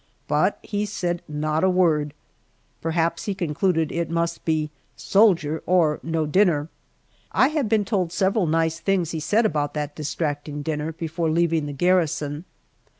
But he said not a word; perhaps he concluded it must be soldier or no dinner. I have been told several nice things he said about that distracting dinner before leaving the garrison.